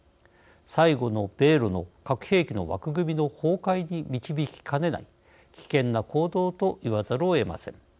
最後の米ロの核兵器の枠組みの崩壊に導きかねない危険な行動と言わざるをえません。